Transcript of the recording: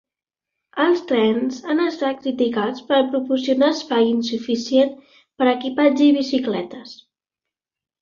Els trens han estat criticats per proporcionar espai insuficient per a equipatge i bicicletes.